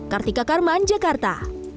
kartika karmaan jakarta